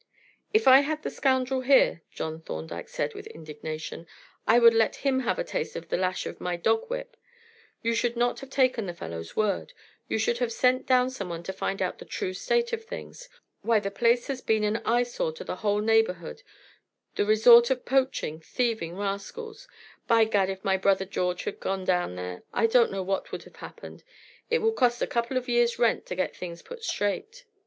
"If I had the scoundrel here," John Thorndyke said with indignation, "I would let him have a taste of the lash of my dog whip. You should not have taken the fellow's word; you should have sent down someone to find out the true state of things. Why, the place has been an eyesore to the whole neighborhood, the resort of poaching, thieving rascals; by gad, if my brother George had gone down there I don't know what would have happened! It will cost a couple of years' rent to get things put straight."